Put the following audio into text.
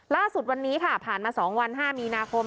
ล่าสุดวันนี้ค่ะผ่านมา๒วัน๕มีนาคม